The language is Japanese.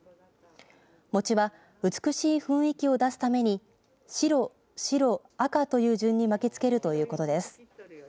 餅は美しい雰囲気を出すために白、白、赤という順に巻きつけるということです。